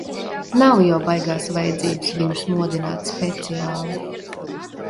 Nav jau baigās vajadzības viņus modināt speciāli.